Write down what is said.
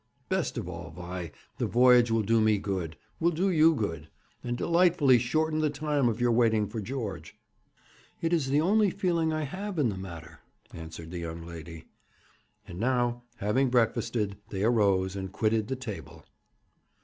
Best of all, Vi, the voyage will do me good, will do you good, and delightfully shorten the time of your waiting for George.' 'It is the only feeling I have in the matter,' answered the young lady. And now, having breakfasted, they arose and quitted the table.